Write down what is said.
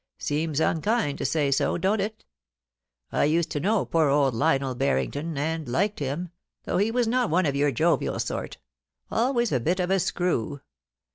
Seems unkind to say so, don't it ? I used to know poor old Lionel Barrington, and liked him, though he was not one of your jovial sort ; always a bit of a screw.